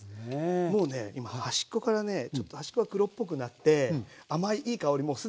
もうね今端っこからねちょっと端っこが黒っぽくなって甘いいい香りもう既にしています。